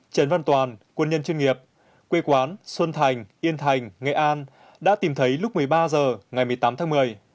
trần văn toàn quân nhân chuyên nghiệp quê quán xuân thành yên thành nghệ an đã tìm thấy lúc một mươi ba h ngày một mươi tám tháng một mươi